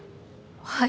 はい。